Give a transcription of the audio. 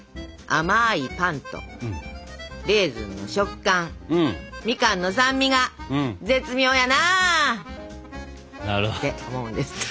「甘いパンとレーズンの食感みかんの酸味が絶妙やなあ！」って思うんですって。